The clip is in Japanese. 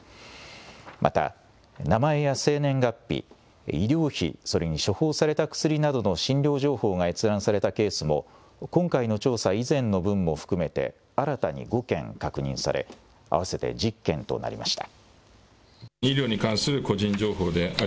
また、名前や生年月日、医療費、それに処方された薬などの診療情報が閲覧されたケースも、今回の調査以前の分も含めて、新たに５件確認され、合わせて１０件となりました。